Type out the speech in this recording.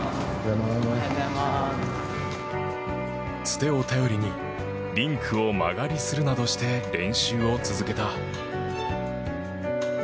つてを頼りにリンクを間借りするなどして練習を続けた。